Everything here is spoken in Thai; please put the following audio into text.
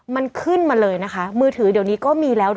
มันขึ้นมาเลยนะคะมือถือเดี๋ยวนี้ก็มีแล้วด้วย